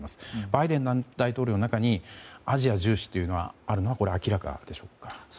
バイデン大統領の中にアジア重視というのがあるのは明らかでしょうか。